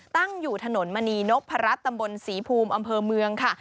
ตั้งอยู่ถนนมณีนพรัชตำบลศรีภูมิอำเภอเมืองค่ะ